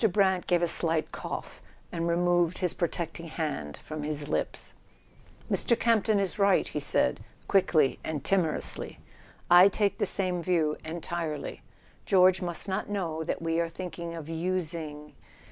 Brant gave a slight cough and removed his pro¬ tecting hand from his lips. "Mr. Campton is right," he said, quickly and timor¬ ously. "I take the same view—entirely. George must not know that we are thinking of using